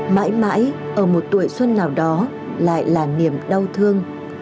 mãi mãi ở một tuổi xuân nào đó lại là niềm đau thương